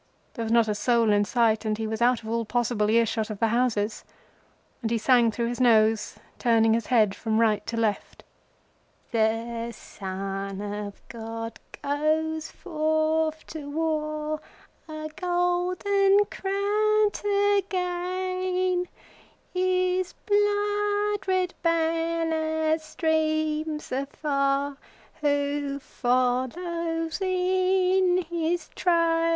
There was not a soul in sight, and he was out of all possible earshot of the houses. And he sang through his nose, turning his head from right to left:— "The Son of Man goes forth to war, A golden crown to gain; His blood red banner streams afar— Who follows in his train?"